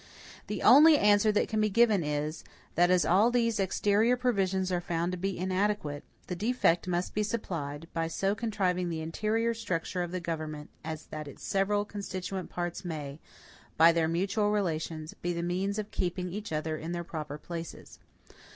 The only answer that can be given is, that as all these exterior provisions are found to be inadequate, the defect must be supplied, by so contriving the interior structure of the government as that its several constituent parts may, by their mutual relations, be the means of keeping each other in their proper places.